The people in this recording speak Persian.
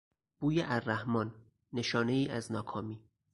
بوی الرحمان، نشانهای از ناکامی